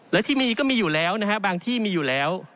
และที่มีก็มีอยู่แล้วนะฮะบางที่มีอยู่แล้ว